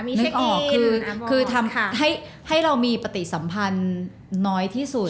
นึกออกคือทำให้เรามีปฏิสัมพันธ์น้อยที่สุด